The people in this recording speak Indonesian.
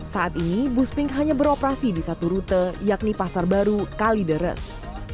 saat ini bus pink hanya beroperasi di satu rute yakni pasar baru kalideres